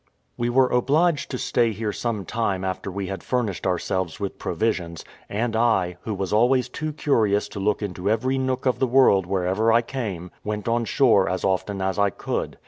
We were obliged to stay here some time after we had furnished ourselves with provisions; and I, who was always too curious to look into every nook of the world wherever I came, went on shore as often as I could.